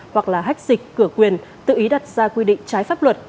hoặc là hách dịch cửa quyền tự ý đặt ra quy định trái pháp luật